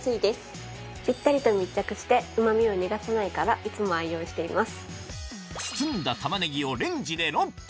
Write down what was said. ぴったりと密着してうま味を逃がさないからいつも愛用しています。